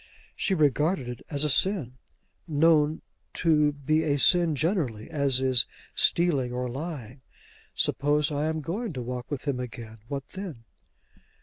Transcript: She regarded it as a sin, known to be a sin generally, as is stealing or lying. "Suppose I am going to walk with him again? what then?"